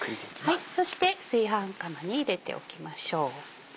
そして炊飯釜に入れておきましょう。